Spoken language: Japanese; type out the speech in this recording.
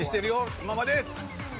今まで。